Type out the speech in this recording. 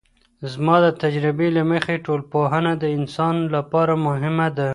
زما د تجربې له مخې ټولنپوهنه د انسان لپاره مهمه ده.